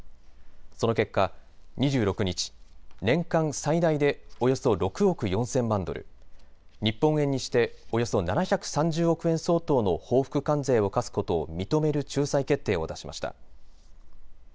その結果２６日年間最大でおよそ６億４０００万ドル、日本円にしておよそ７３０億円相当の報復関税を課すことを認める仲裁決定を出しました。